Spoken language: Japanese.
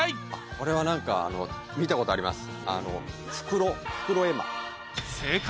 これは何かあの見たことあります。